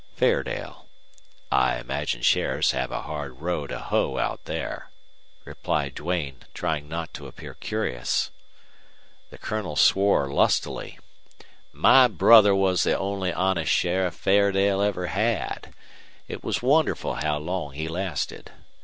"Fairdale.... I imagine sheriffs have a hard row to hoe out here," replied Duane, trying not to appear curious. The Colonel swore lustily. "My brother was the only honest sheriff Fairdale ever had. It was wonderful how long he lasted.